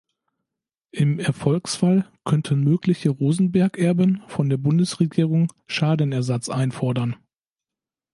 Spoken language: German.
Im Erfolgsfall könnten mögliche Rosenberg-Erben von der Bundesregierung Schadenersatz einfordern.